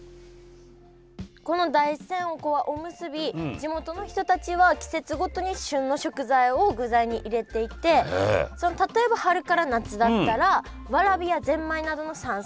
地元の人たちは季節ごとに旬の食材を具材に入れていて例えば春から夏だったらわらびやぜんまいなどの山菜。